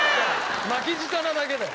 巻き舌なだけだよ。